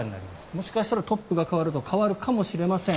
もしかしたらトップが代われば変わるかもしれません。